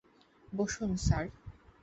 বসুন, স্যার।